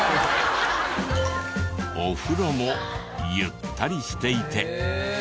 お風呂もゆったりしていて。